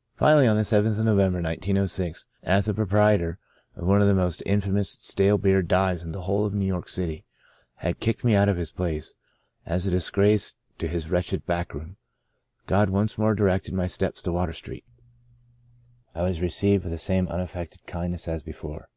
" Finally, on the 7th of November, 1906, after the proprietor of one of the most infa mous, stale beer dives in the whole of New York City had kicked me out of his place as a disgrace to his wretched back room, God once more directed my steps to Water Street. 66 The Breaking of the Bread I was received with the same unaffected kindness as before.